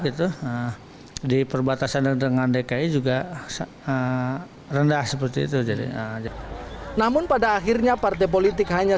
gitu di perbatasan dengan dki juga rendah seperti itu jadi namun pada akhirnya partai politik hanya